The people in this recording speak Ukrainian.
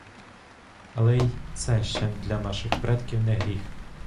Але й це ще для наших предків не гріх.